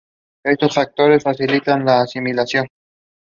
Only after heavy rain do they climb into the bushes to avoid the water.